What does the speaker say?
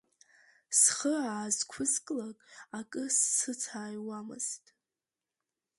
Схы аазқәысклак акы сыцааиуамызт.